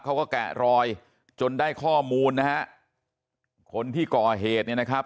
แกะรอยจนได้ข้อมูลนะฮะคนที่ก่อเหตุเนี่ยนะครับ